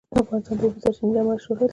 افغانستان د د اوبو سرچینې له امله شهرت لري.